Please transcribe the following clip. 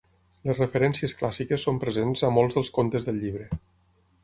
Les referències clàssiques són presents a molts dels contes del llibre.